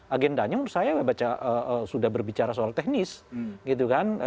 agendanya saya sudah berbicara soal teknis gitu kan